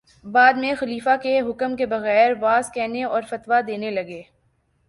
بعد میں خلیفہ کے حکم کے بغیر وعظ کہنے اور فتویٰ دینے لگے